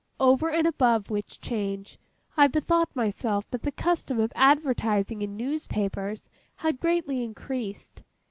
Over and above which change, I bethought myself that the custom of advertising in newspapers had greatly increased.